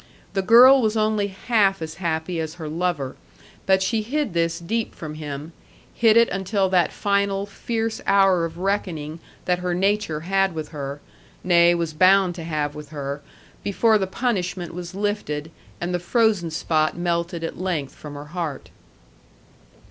The girl was only half as happy as her lover; but she hid this deep from him, hid it until that final, fierce hour of reckoning that her nature had with her, nay, was bound to have with her, before the punishment was lifted, and the frozen spot melted at length from her heart.